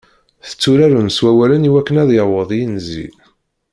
Tetturarem s wawalen iwakken ad yaweḍ yinzi.